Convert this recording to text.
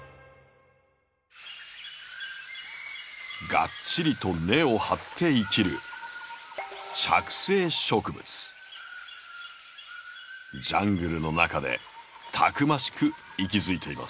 ガッチリと根を張って生きるジャングルの中でたくましく息づいています。